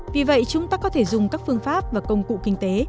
vì vậy chúng ta có thể dùng các phương pháp và công cụ kinh tế